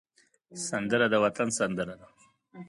سندره د وطن سندره ده